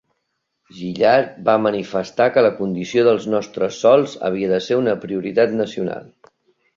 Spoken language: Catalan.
Gillard va manifestar que la condició dels nostres sòls havia de ser una prioritat nacional.